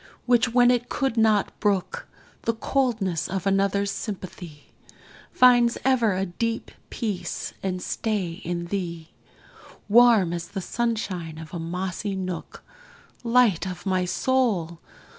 which, when it could not brook The coldness of another's sympathy, Finds ever a deep peace and stay in thee, Warm as the sunshine of a mossy nook; Light of my soul!